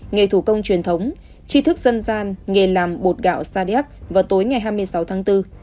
nghề thủ công truyền thống chi thức dân gian nghề làm bột gạo sa điác vào tối ngày hai mươi sáu tháng bốn